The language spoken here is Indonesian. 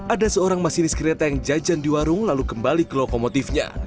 ada seorang masinis kereta yang jajan di warung lalu kembali ke lokomotifnya